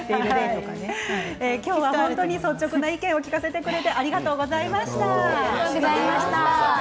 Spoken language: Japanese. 今日は率直な意見を聞かせてくれてありがとうございました。